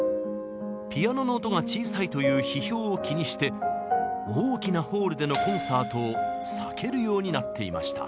ピアノの音が小さいという批評を気にして大きなホールでのコンサートを避けるようになっていました。